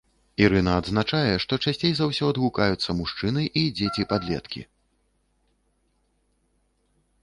Ірына адзначае, што часцей за ўсё адгукаюцца мужчыны і дзеці-падлеткі.